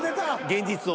現実を。